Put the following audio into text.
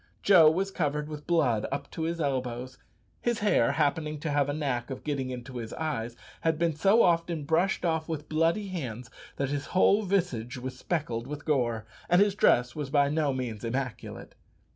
Joe was covered with blood up to the elbows. His hair, happening to have a knack of getting into his eyes, had been so often brushed off with bloody hands, that his whole visage was speckled with gore, and his dress was by no means immaculate.